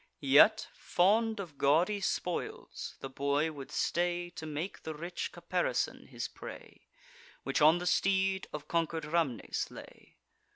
Yet, fond of gaudy spoils, the boy would stay To make the rich caparison his prey, Which on the steed of conquer'd Rhamnes lay.